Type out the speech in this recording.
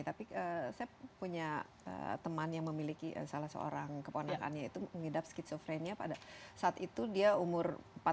tapi saya punya teman yang memiliki salah seorang keponakannya itu mengidap skizofrenia pada saat itu dia umur empat puluh